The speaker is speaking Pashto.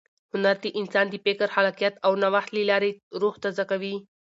هنر د انسان د فکر، خلاقیت او نوښت له لارې روح تازه کوي.